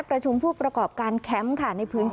นัดประชุมผู้ประกอบการแครมต์ค่ะ